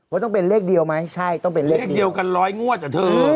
ว่าต้องเป็นเลขเดียวไหมใช่ต้องเป็นเลขเดียวกันร้อยงวดเหรอเธอ